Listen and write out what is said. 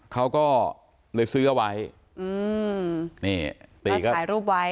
เขาก็เลยซื้อเอาไว้อืมนี่ตีก็ถ่ายรูปไว้